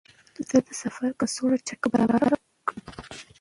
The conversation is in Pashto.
زه د سفر کڅوړه چټکه برابره کړم.